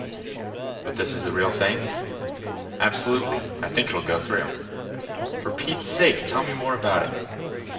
"But this is the real thing?" "Absolutely. I think it'll go through." "For Pete's sake, tell me more about it."